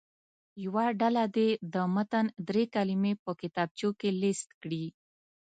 یوه ډله دې د متن دري کلمې په کتابچو کې لیست کړي.